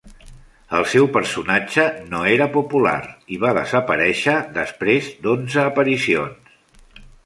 El seu personatge no era popular i va desaparèixer després d'onze aparicions.